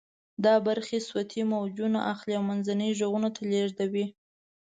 دا برخې صوتی موجونه اخلي او منځني غوږ ته لیږدوي.